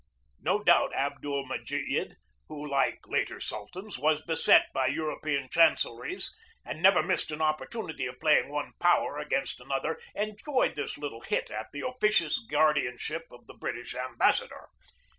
No doubt Abdul Mejiid, who, like later sultans, was beset by European chancelleries and never missed an opportunity of playing one power against another, enjoyed this little hit at the officious guar dianship of the British ambassador.